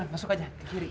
aku bukan anggrek